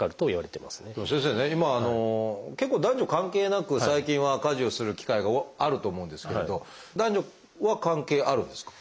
先生ね今結構男女関係なく最近は家事をする機会があると思うんですけれど男女は関係あるんですか？